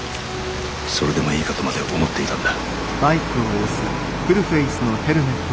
それでもいいかとまで思っていたんだ・